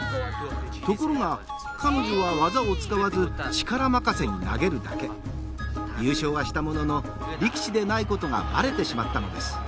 ところが彼女は技を使わず力任せに投げるだけ優勝はしたものの力士でないことがバレてしまったのです